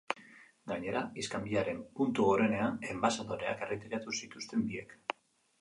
Gainera, iskanbilaren puntu gorenean, enbaxadoreak erretiratu zituzten biek.